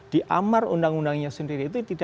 diamar undang undangnya sendiri itu